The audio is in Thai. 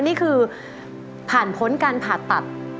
นี่คือผ่านพ้นการผ่าตัด